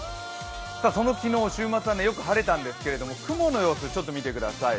その昨日、週末はよく晴れたんですけど、雲の様子見てください。